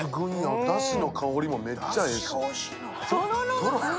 だしの香りもめっちゃええし。